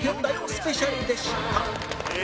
スペシャルでした